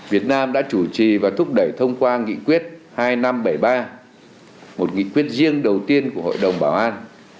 việt nam đã chủ trì và thúc đẩy thông qua nghị quyết hai nghìn năm trăm bảy mươi ba một nghị quyết riêng đầu tiên của hội đồng bảo an